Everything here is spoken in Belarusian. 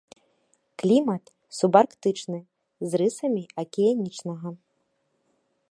Клімат субарктычны, з рысамі акіянічнага.